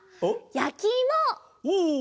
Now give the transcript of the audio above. やきいも。